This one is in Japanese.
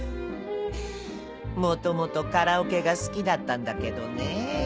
元々カラオケが好きだったんだけどね